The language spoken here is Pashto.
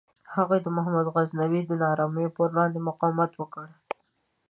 هغه د محمود غزنوي نارامیو پر وړاندې مقاومت وکړ.